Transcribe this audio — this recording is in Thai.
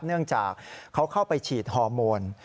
เนื่องจากเขาเข้าไปฉีดฮอร์โมน